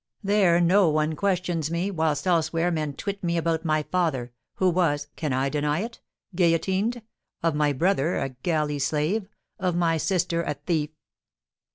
There no one questions me; whilst elsewhere men twit me about my father, who was (can I deny it?) guillotined, of my brother, a galley slave, of my sister, a thief!"